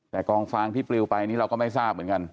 แต่กองฟางที่ปลิวไปนี่เราก็ไม่ทราบเหมือนกัน